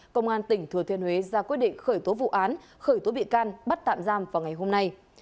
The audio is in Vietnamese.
công an tỉnh thừa thiên huế ra quyết định khởi tố vụ án khởi tố bị can bắt tạm giam vào ngày hôm nay